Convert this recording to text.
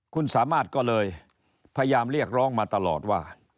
คุณสามารถก็เลยพยายามเรียกร้องมาตลอดว่า